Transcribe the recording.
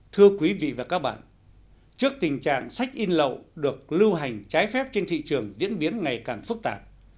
thưa quý vị và các bạn trước tình trạng sách in lậu được lưu hành trái phép trên thị trường diễn biến ngày càng phức tạp